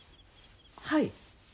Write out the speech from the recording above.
はい。